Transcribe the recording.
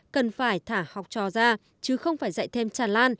cần phải thả học trò ra chứ không phải dạy thêm tràn lan